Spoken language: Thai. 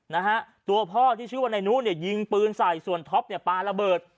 นะฮะตัวพ่อที่ชื่อว่านายนุเนี่ยยิงปืนใส่ส่วนท็อปเนี่ยปลาระเบิด